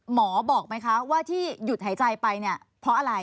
หมอบอกไหมคะว่าที่หยุดหายใจไปเนี่ยเพราะอะไร